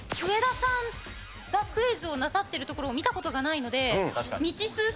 植田さんがクイズをなさってるところを見た事がないので。